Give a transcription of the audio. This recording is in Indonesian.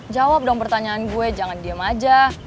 jawab dong pertanyaan gue jangan diem aja